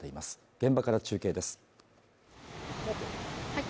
現場から中継です。